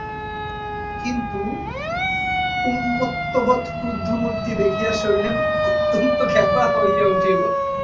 কিন্তু উন্মত্তবৎ ক্রুদ্ধমূর্তি দেখিরা শৈলেন অত্যন্ত ক্ষাপা হইয়া উঠিল।